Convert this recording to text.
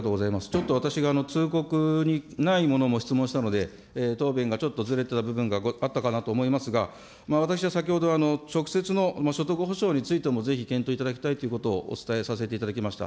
ちょっと私が通告にないものも質問したので、答弁がちょっとずれた部分があったかなと思いますが、私は先ほど、直接の所得保障についてもぜひ、検討いただきたいということをお伝えさせていただきました。